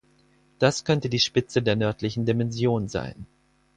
Das könnte die Spitze der nördlichen Dimension sein.